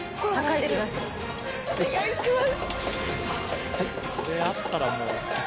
お願いします。